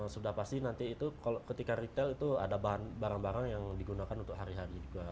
sudah pasti nanti itu ketika retail itu ada barang barang yang digunakan untuk hari hari juga